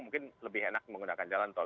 mungkin lebih enak menggunakan jalan tol